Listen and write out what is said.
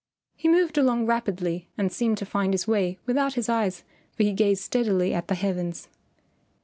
He moved along rapidly and seemed to find his way without his eyes, for he gazed steadily at the heavens.